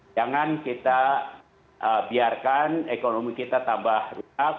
jangan kita biarkan ekonomi kita tambah rusak